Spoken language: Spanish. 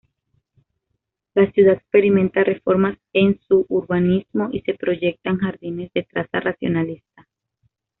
La ciudad experimenta reformas en su urbanismo y se proyectan jardines de traza racionalista.